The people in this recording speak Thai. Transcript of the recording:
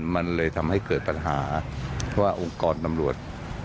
มันเลยทำให้เกิดปัญหาว่าองค์กรตำรวจ